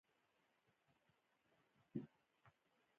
آیا د عوایدو ضایع کیدل کم شوي؟